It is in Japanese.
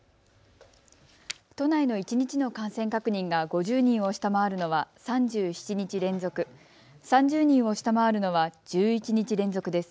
都内の一日の感染確認が５０人を下回るのは３７日連続、３０人を下回るのは１１日連続です。